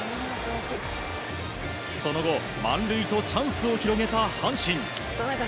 その後、満塁とチャンスを広げた阪神。